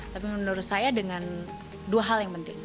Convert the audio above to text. tapi menurut saya dengan dua hal yang penting